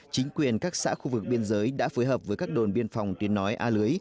chính quyền các xã khu vực biên giới đã phối hợp với các đồn biên phòng tuyên nói a lưới